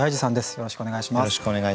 よろしくお願いします。